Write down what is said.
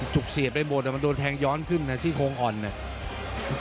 เสียดไปหมดมันโดนแทงย้อนขึ้นนะซี่โครงอ่อนเนี่ย